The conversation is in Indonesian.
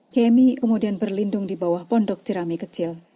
kemi kemudian berlindung di bawah pondok ceramik kecil